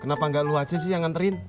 kenapa gak lo aja sih yang nganterin